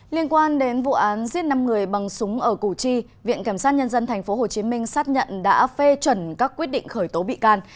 liên quan đến vụ án giết năm người bằng súng ở củ chi viện cảm sát nhân dân tp hcm xác nhận đã phê chuẩn các quyết định khởi tố bị can